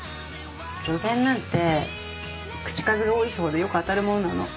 予言なんて口数が多い人ほどよく当たるものなの。